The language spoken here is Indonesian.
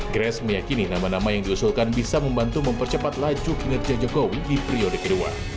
grace meyakini nama nama yang diusulkan bisa membantu mempercepat laju kinerja jokowi di periode kedua